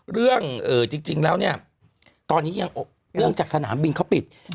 เรื่องจริงแล้วเนี่ยตอนนี้ยังอกเนื่องจากสนามบินเขาปิด